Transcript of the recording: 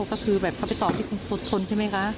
ก็คือเขาไปต่อที่ขุดทนใช่ไหมคะ